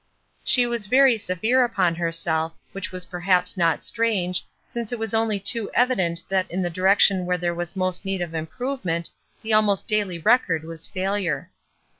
She was very severe upon herself, which was perhaps not strange, since it was only too evident that in the direction where there was most need for improvement the almost daily record was failure.